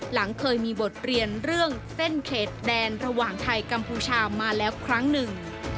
หลังเคยมีบทเรียนเรื่องเส้นเขตแดนระหว่างไทยกัมพูชามาแล้วครั้งหนึ่ง